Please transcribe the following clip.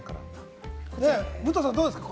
武藤さん、どうですか？